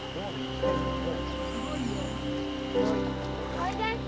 ・おいで！